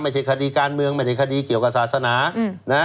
ไม่ใช่คดีการเมืองไม่ใช่คดีเกี่ยวกับศาสนา